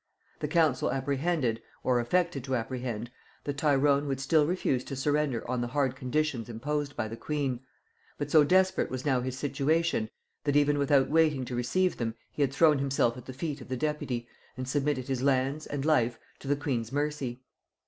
The council apprehended, or affected to apprehend, that Tyrone would still refuse to surrender on the hard conditions imposed by the queen; but so desperate was now his situation, that without even waiting to receive them, he had thrown himself at the feet of the deputy and submitted his lands and life to the queen's mercy.